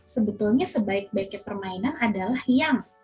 sebetulnya sebaik baiknya permainan adalah yang